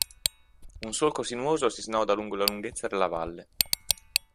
Un solco sinuoso si snoda lungo la lunghezza della valle.